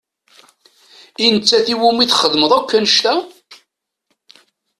I nettat i wumi txedmem akk annect-a?